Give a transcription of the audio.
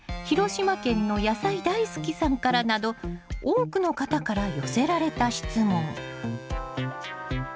広島県の野菜大好きさんからなど多くの方から寄せられた質問。